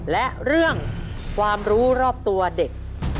และเรื่องความรู้รอบตัวเด็ก